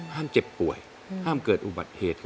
เจ็บป่วยห้ามเกิดอุบัติเหตุ